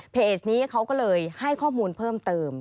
เพจนี้เขาก็เลยให้ข้อมูลเพิ่มเติม